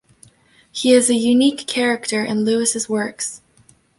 He is a unique character in Lewis's works.